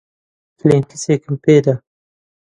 کلێنکسێکم پێ بدە.